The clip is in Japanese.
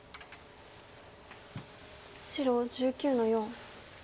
白１９の四。